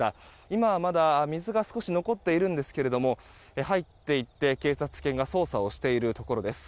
今はまだ水が少し残っているんですけども入って行って警察犬が捜査をしているところです。